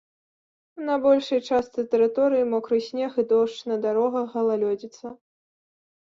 На большай частцы тэрыторыі мокры снег і дождж, на дарогах галалёдзіца.